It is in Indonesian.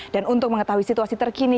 dan untuk mengetahui situasi terkini